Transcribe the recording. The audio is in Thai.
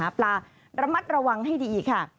ปลาระมัดระวังให้ดีค่ะ